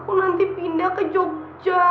aku nanti pindah ke jogja